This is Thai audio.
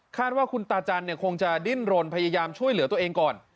ว่าคุณตาจันเนี่ยคงจะดิ้นรนพยายามช่วยเหลือตัวเองก่อน